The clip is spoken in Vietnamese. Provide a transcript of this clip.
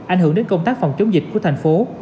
ảnh hưởng đến công tác phòng chống dịch của thành phố